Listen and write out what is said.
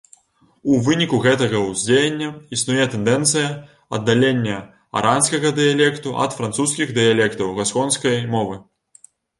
У выніку гэтага ўздзеяння існуе тэндэнцыя аддалення аранскага дыялекту ад французскіх дыялектаў гасконскай мовы.